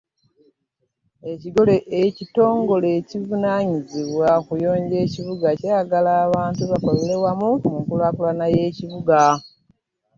Ekitongole ekivunanyizibwa ku kuyonja ekibuga kyagala abantu bakolere wamu mu nkulankulana y'ekibuga.